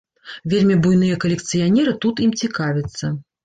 Вельмі буйныя калекцыянеры тут ім цікавяцца.